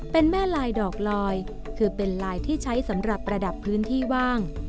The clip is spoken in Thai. เป็นแม่ลายดอกลอยคือเป็นลายที่ใช้สำหรับประดับพื้นที่ว่าง